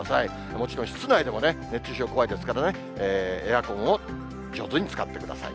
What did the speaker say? もちろん室内でも熱中症怖いですからね、エアコンを上手に使ってください。